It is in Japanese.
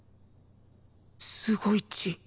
すごい血